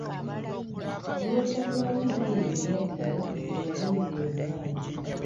Ku Lwokusatu lwa wiiki eyo eyaddirira we yagendera e bulaaya.